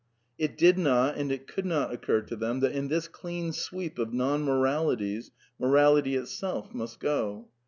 It did not and it could not occur to themM that in this clean sweep of non moralities. Morality itselfr must go.